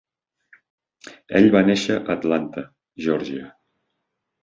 Ella va néixer a Atlanta, Geòrgia.